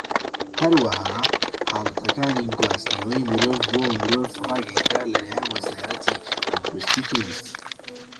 هەروەها، حاڵەتەکانی گواستنەوەی مرۆڤ بۆ مرۆڤ ڕاگەیەنران لەلایەن وەزارەتی تەندروستی تونس.